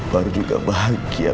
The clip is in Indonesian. baru juga bahagia